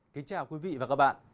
kính chào quý vị và các bạn